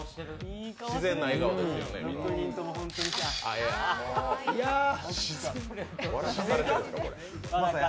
自然な笑顔ですよね、みんな。